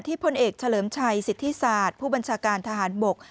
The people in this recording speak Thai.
พลเอกเฉลิมชัยสิทธิศาสตร์ผู้บัญชาการทหารบก